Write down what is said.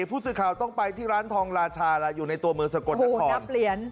ผู้สื่อข่าวต้องไปที่ร้านทองราชาแล้วอยู่ในตัวเมืองสกลนครนับเหรียญ